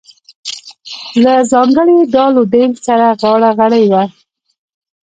له ځانګړي ډال و ډیل سره غاړه غړۍ وه.